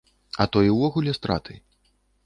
А то і ўвогуле страты.